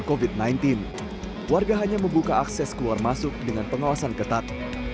kofit sembilan belas warga hanya membuka akses keluar masuk dengan pengawasan ketat